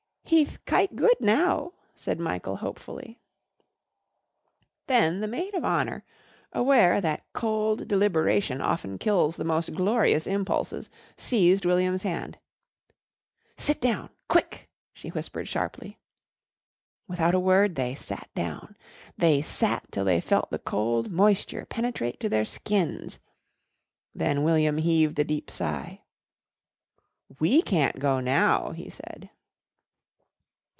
"Heth kite good now," said Michael hopefully. Then the maid of honour, aware that cold deliberation often kills the most glorious impulses, seized William's hand. "Sit down. Quick!" she whispered sharply. Without a word they sat down. They sat till they felt the cold moisture penetrate to their skins. Then William heaved a deep sigh. "We can't go now," he said.